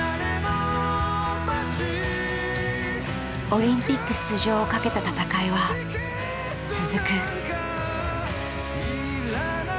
オリンピック出場をかけた戦いは続く。